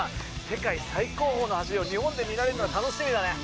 世界最高峰の走りを日本で見られるのが楽しみだね。